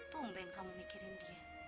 tungguin kamu mikirin dia